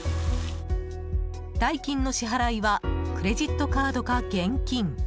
代金の支払いはクレジットカードか現金。